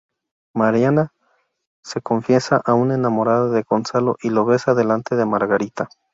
Mariana se confiesa aún enamorada de Gonzalo y lo besa delante de Margarita.